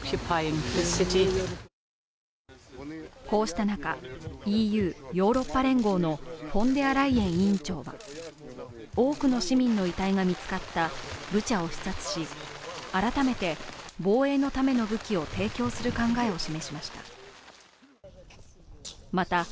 こうした中、ＥＵ＝ヨーロッパ連合のフォンデアライエン委員長は、多くの市民の遺体が見つかったブチャを視察し改めて防衛のための武器を提供する考えを示しました。